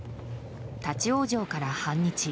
立ち往生から半日。